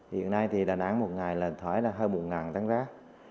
hiện nay thì đà nẵng một ngày là thấy là hơi buồn nặng tăng rác